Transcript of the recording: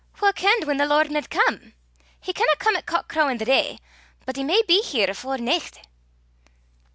"Wha kenned whan the Lord micht come? He canna come at cock crawin' the day, but he may be here afore nicht."